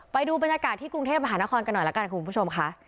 ไปดูบรรยากาศที่กรุงเทพมหานครกันหน่อยละกันคุณผู้ชมค่ะ